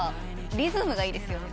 リズムがいいですよね